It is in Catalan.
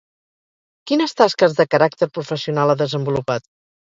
Quines tasques de caràcter professional ha desenvolupat?